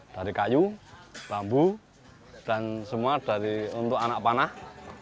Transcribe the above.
dari kayu bambu dan semua untuk anak panah